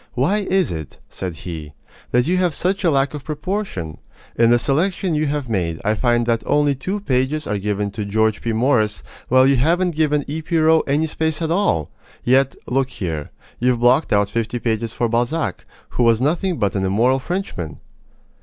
"Why is it," said he, "that you have such a lack of proportion? In the selection you have made I find that only two pages are given to George P. Morris, while you haven't given E. P. Roe any space at all! Yet, look here you've blocked out fifty pages for Balzac, who was nothing but an immoral Frenchman!"